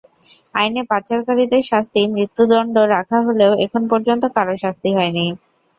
আইনে পাচারকারীদের শাস্তি মৃত্যুদণ্ড রাখা হলেও এখন পর্যন্ত কারও শাস্তি হয়নি।